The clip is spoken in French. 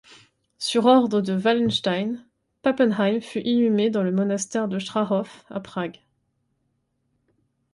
Sur ordre de Wallenstein, Pappenheim fut inhumé dans le monastère de Strahov à Prague.